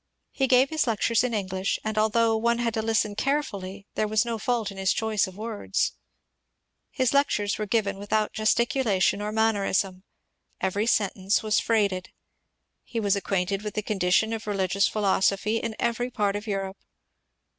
He gave his lectures in English, and although one had to listen carefully there was no fault in his choice of words* His lectures were given without gesticulation 404 MONCURE DANIEL CONWAY or mannerism ; every sentence was freighted. He was ac quainted with the condition of religious philosophy in every part of Europe.